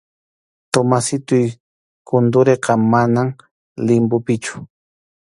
Tomasitoy Condoriqa, manam limbopichu.